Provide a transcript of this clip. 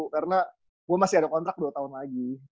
karena gua masih ada kontrak dua tahun lagi